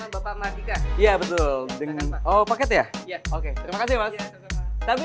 hai atas nama bapak matika iya betul dengan oh paket ya oke terima kasih tapi